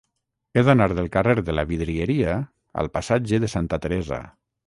He d'anar del carrer de la Vidrieria al passatge de Santa Teresa.